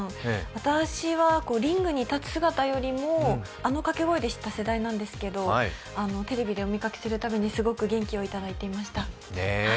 私はリングに立つ姿よりもあの掛け声で知った世代なんですけどテレビでお見かけするたびに、すごく元気をいただいていました。